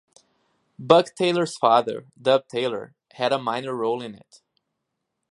Buck Taylor's father, Dub Taylor, had a minor role in it.